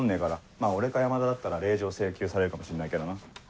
まぁ俺か山田だったら令状請求されるかもしんないけどな。